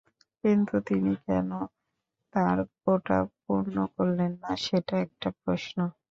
কিন্তু তিনি কেন তাঁর কোটা পূর্ণ করলেন না, সেটা একটা প্রশ্ন।